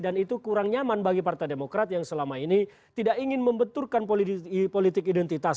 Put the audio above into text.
dan itu kurang nyaman bagi partai demokrat yang selama ini tidak ingin membetulkan politik identitas